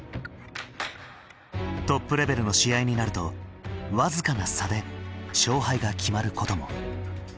トップレベルの試合になると僅かな差で勝敗が決まることも。